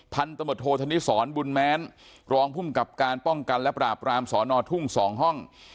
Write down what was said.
พันธมตโทษธนิสรบุญแม้นรองภูมิกับการป้องกันและปราบรามสอนอทุ่ง๒ห้อง